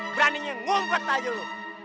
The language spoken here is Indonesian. beraninya ngumpet aja lo